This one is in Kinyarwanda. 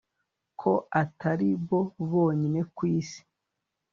Ko atari bo bonyine ku isi